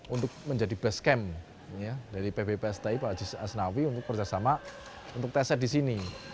untuk menjadi base camp dari pbpsti pak aziz asnawi untuk kerjasama untuk teset di sini